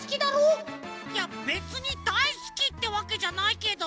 いやべつにだいすきってわけじゃないけど。